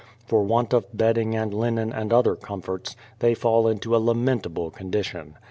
For want of bedding and linen and other comforts, they fall into a lamentable condition.